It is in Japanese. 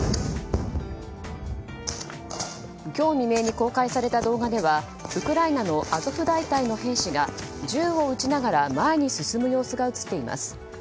今日未明に公開された動画ではウクライナのアゾフ大隊の兵士が銃を撃ちながら前に進む様子が映っています。